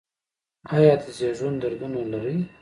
ایا د زیږون دردونه لرئ؟